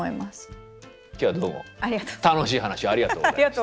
今日はどうも楽しい話をありがとうございました。